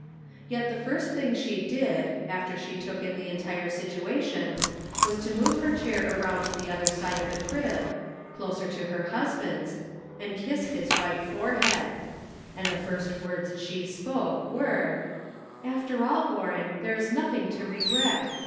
Yet the first thing she did, after she took in the entire situation, was to move her chair around the other side of the crib, closer to her husband's, and kiss his white forehead ; and the first words she spoke were: " After all, Warren, there is nothing to regret.